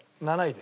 ７位。